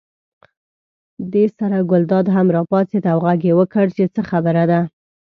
دې سره ګلداد هم راپاڅېد او غږ یې وکړ چې څه خبره ده.